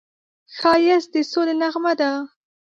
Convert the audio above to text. ښایست د سولې نغمه ده